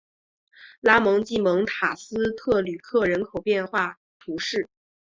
拉蒙济蒙塔斯特吕克人口变化图示